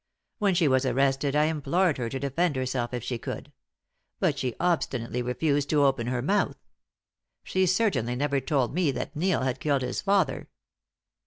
"When she was arrested I implored her to defend herself if she could. But she obstinately refused to open her mouth. She certainly never told me that Neil had killed his father."